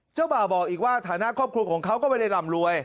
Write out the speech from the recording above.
เจ้าบ่าวบอกอีกว่าฐานะครอบครัวของเขาก็ไม่ได้ร่ำรวย